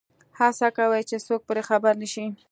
هڅه کوي چې څوک پرې خبر نه شي.